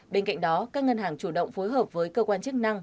bên cạnh đó các ngân hàng chủ động phối hợp với cơ quan chức năng